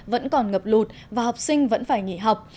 vẫn còn ngập lụt và học sinh vẫn phải nghỉ học